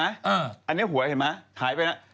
อันนี้หัวเห็นไหมหายไปนะ